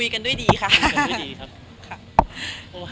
เรียกงานไปเรียบร้อยแล้ว